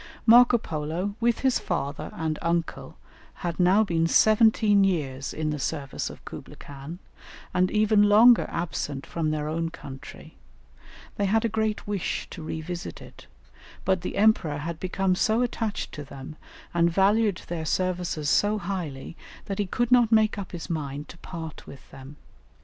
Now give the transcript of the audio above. Marco Polo, with his father and uncle, had now been seventeen years in the service of Kublaï Khan, and even longer absent from their own country; they had a great wish to revisit it, but the Emperor had become so much attached to them, and valued their services so highly, that he could not make up his mind to part with them.